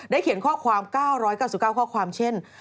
เขียนข้อความ๙๙๙ข้อความเช่น